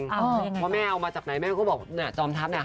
เพราะแม่เอามาจากไหนแม่ก็บอกน่ะจอมทัพน่ะ